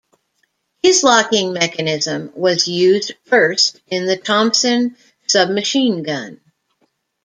His locking mechanism was used first in the Thompson submachine gun.